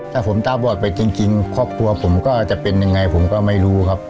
ถ้าผมตาบอดไปจริงครอบครัวผมก็จะเป็นยังไงผมก็ไม่รู้ครับ